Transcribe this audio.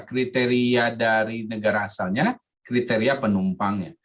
kriteria dari negara asalnya kriteria penumpangnya